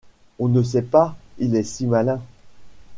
On ne sait pas, il est si malin !